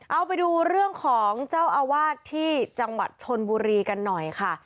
เอาไปดูเรื่องของเจ้าอาวาสที่จังหวัดชนบุรีกันหน่อยค่ะ